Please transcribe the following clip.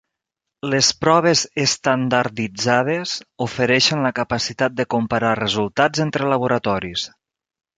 Les proves estandarditzades ofereixen la capacitat de comparar resultats entre laboratoris.